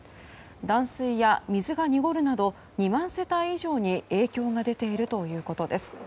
断水や水が濁るなど２万世帯以上に影響が出ているということです。